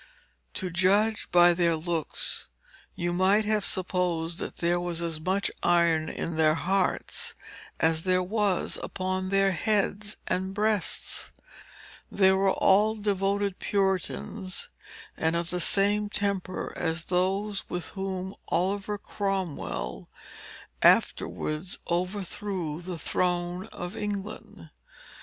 To judge by their looks, you might have supposed that there was as much iron in their hearts, as there was upon their heads and breasts. They were all devoted Puritans, and of the same temper as those with whom Oliver Cromwell afterwards overthrew the throne of England.